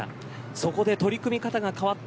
そこで取り組み方が変わった。